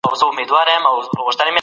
د مطالعې نړۍ ډېره پراخه ده.